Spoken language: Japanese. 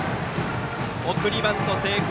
送りバント成功。